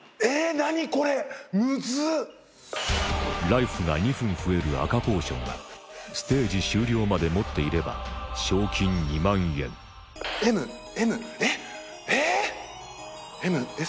ライフが２分増える赤ポーションはステージ終了まで持っていれば賞金２万円ＭＭえっえぇ？